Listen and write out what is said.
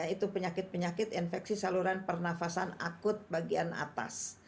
itu penyakit penyakit infeksi saluran pernafasan akut bagian atas